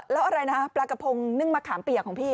แล้วอะไรนะปลากระพงนึ่งมะขามเปียกของพี่